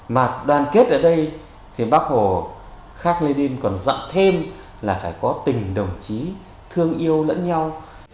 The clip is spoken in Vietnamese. mà đoàn kết ở đây thì bác hồ khắc lê đinh còn dặn thêm là phải có tình đồng chí thương yêu lẫn nhau